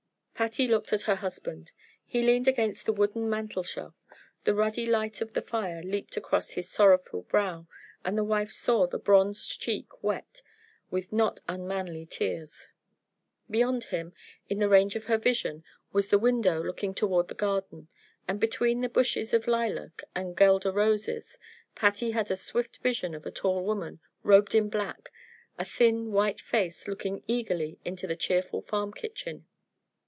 Patty looked at her husband. He leaned against the wooden mantel shelf, the ruddy light of the fire leaped across his sorrowful face, and the wife saw his bronzed cheek wet, with not unmanly tears. Beyond him, in the range of her vision, was the window looking toward the garden, and between the bushes of lilac and guelder roses, Patty had a swift vision of a tall woman, robed in black, a thin white face, looking eagerly into the cheerful farm kitchen.